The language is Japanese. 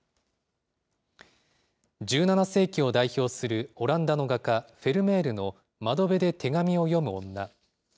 １７世紀を代表するオランダの画家、フェルメールの窓辺で手紙を読む女。